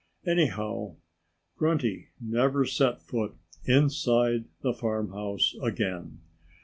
Anyhow, Grunty never set foot inside the farmhouse again.